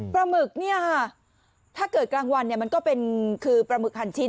ปลาหมึกเนี่ยถ้าเกิดกลางวันมันก็เป็นคือปลาหมึกหั่นชิ้น